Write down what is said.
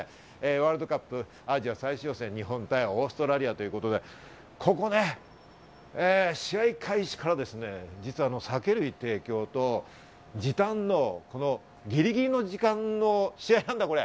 ワールドカップアジア最終予選、日本対オーストラリアということでここね、試合開始から実は酒類提供と時短と、ぎりぎりの時間の試合なんだ。